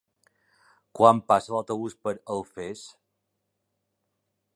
Quan passa l'autobús per Alfés?